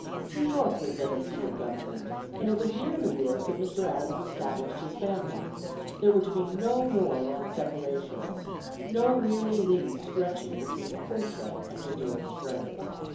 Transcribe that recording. New York was then the seat of government, and it was near New York that Mr. Adams established his family. There were to be no more long separations, no weary leagues stretching between Portia and her dearest friend.